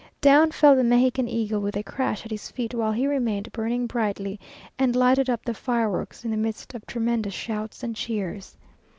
Down fell the Mexican eagle with a crash at his feet, while he remained burning brightly, and lighted up by fireworks, in the midst of tremendous shouts and cheers.